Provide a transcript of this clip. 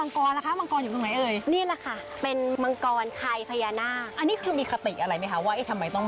งั้นเลยแมงธรรมรันระที่ไหน